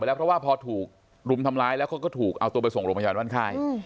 แล้วเพราะว่าพอถูกรุมทำร้ายแล้วเขาก็ถูกเอาตัวไปส่งโรงพยาบาลบ้านค่าย